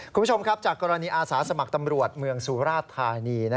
คุณผู้ชมครับจากกรณีอาสาสมัครตำรวจเมืองสุราชธานี